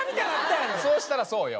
そうしたらそうよ。